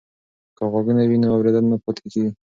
که غوږونه وي نو اوریدل نه پاتیږي.